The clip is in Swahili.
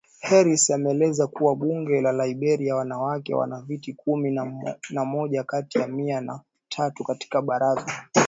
Harris ameeleza kuwa Bunge la Liberia wanawake wana viti kumi na moja kati ya mia na tatu katika Baraza